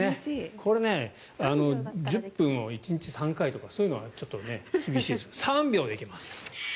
これ、１０分を１日３回とかそういうのは厳しいですが３秒で行けますと。